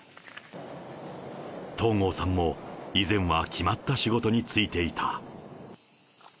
東郷さんも以前は決まった仕事に就いていた。